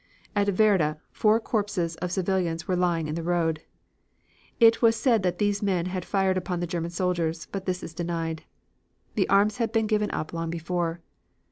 "At Weerde four corpses of civilians were lying in the road. It was said that these men had fired upon the German soldiers; but this is denied. The arms had been given up long before.